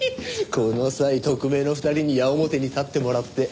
この際特命の２人に矢面に立ってもらって。